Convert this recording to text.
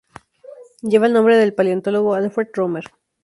Lleva el nombre del paleontólogo Alfred Romer.